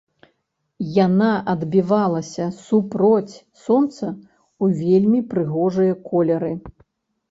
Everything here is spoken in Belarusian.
Яна адбівалася супроць сонца ў вельмі прыгожыя колеры.